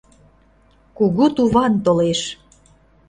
Кугу туван толеш!..